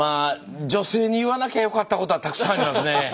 女性に言わなきゃよかったことはたくさんありますね。